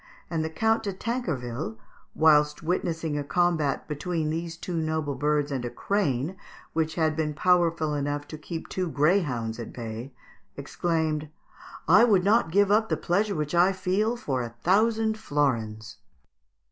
and the Count de Tancarville, whilst witnessing a combat between these noble birds and a crane which had been powerful enough to keep two greyhounds at bay, exclaimed, "I would not give up the pleasure which I feel for a thousand florins!"